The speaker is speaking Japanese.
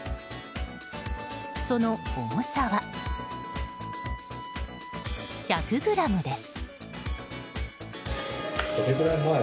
その重さは、１００ｇです。